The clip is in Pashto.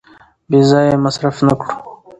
بې ځایه یې مصرف نه کړو.